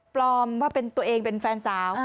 ปลอมว่าเป็นตัวเองเป็นแฟนสาว